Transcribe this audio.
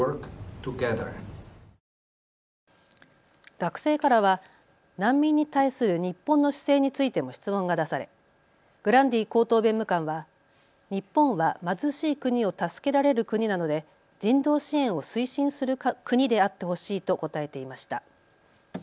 学生からは難民に対する日本の姿勢についても質問が出されグランディ高等弁務官は日本は貧しい国を助けられる国なので人道支援を推進する国であってほしいと答えていました。